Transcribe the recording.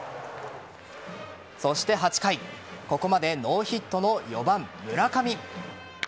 そして８回ここまでノーヒットの４番・村上。